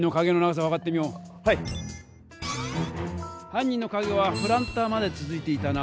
犯人の影はプランターまでつづいていたな。